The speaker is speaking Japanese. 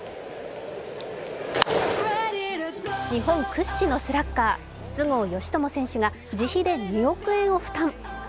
日本屈指のスラッガー、筒香嘉智選手が自費で２億円を負担